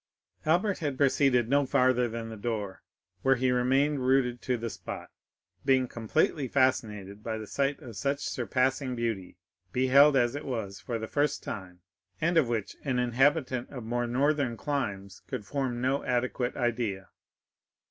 40064m Albert had proceeded no farther than the door, where he remained rooted to the spot, being completely fascinated by the sight of such surpassing beauty, beheld as it was for the first time, and of which an inhabitant of more northern climes could form no adequate idea.